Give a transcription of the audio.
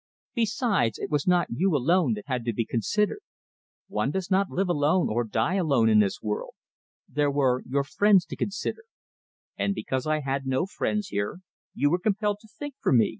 Besides, it was not you alone that had to be considered. One does not live alone or die alone in this world. There were your friends to consider." "And because I had no friends here, you were compelled to think for me!"